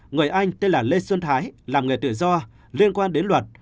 người anh tên là lê xuân thái làm nghề tự do liên quan đến luật